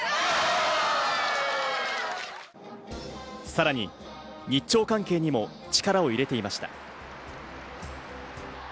さらに日朝関係にも力を入れていました。